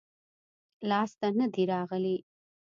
لاس ته نه دي راغلي-